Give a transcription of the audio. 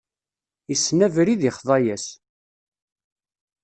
Issen abrid, ixḍa-yas.